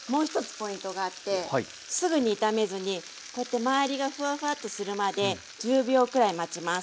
ポイントがあってすぐに炒めずにこうやって周りがフワフワッとするまで１０秒くらい待ちます。